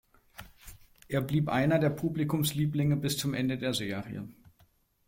Er blieb einer der Publikumslieblinge bis zum Ende der Serie.